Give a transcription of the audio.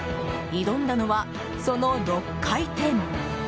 挑んだのは、その６回転！